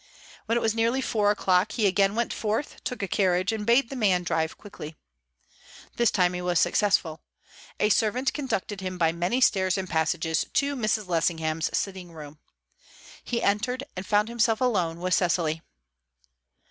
When it was nearly four o'clock, he again went forth, took a carriage, and bade the man drive quickly. This time he was successful. A servant conducted him by many stairs and passages to Mrs. Lessingham's sitting room. He entered, and found himself alone with Cecily.